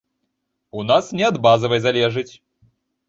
У нас не ад базавай залежыць.